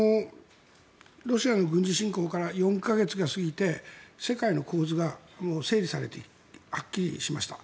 ロシアの軍事侵攻から４か月が過ぎて世界の構図が整理されてはっきりしました。